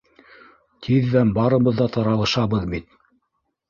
Тиҙҙән барыбыҙ ҙа таралышабыҙ бит.